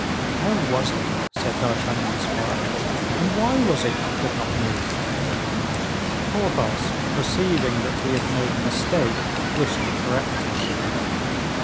"How was it?" said D'Artagnan, smiling, "and why was it you could not move?" Porthos, perceiving that he had made a mistake, wished to correct it.